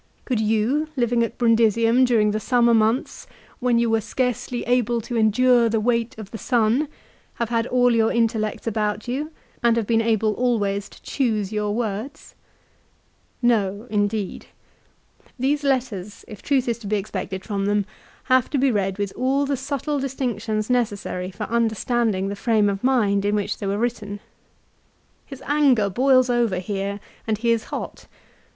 Could you, living at Brundisium during the summer months c when ycu were scarcely able to endure the weight of the sun' l have had all your intellects about you and have been able always to choose your words ?" No, indeed ! These letters, if truth is to be expected from them, have to be read with all the subtle distinctions necessary for understanding the frame of mind in which they were written. His anger boils over here, and he is hot.